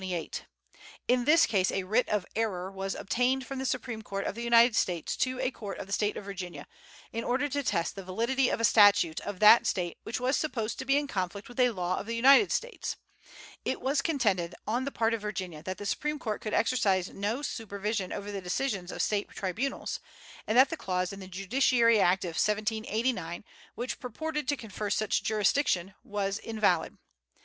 In this case a writ of error was obtained from the Supreme Court of the United States to a court of the State of Virginia, in order to test the validity of a statute of that State which was supposed to be in conflict with a law of the United States. It was contended on the part of Virginia that the Supreme Court could exercise no supervision over the decisions of the State tribunals, and that the clause in the Judiciary Act of 1789 which purported to confer such jurisdiction was invalid.